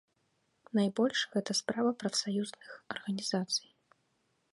Найбольш гэта справа прафсаюзных арганізацый.